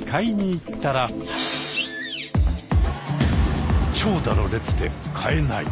またも長蛇の列で買えない！